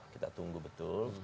kita tunggu betul